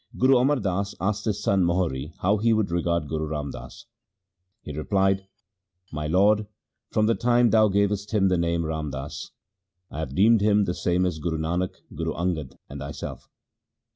Guru Amar Das asked his son Mohri how he would regard Guru Ram Das. He replied, ' My lord, from the time thou gavest him the name Ram Das, I have deemed him the same as Guru Nanak, Guru Angad, and thyself.'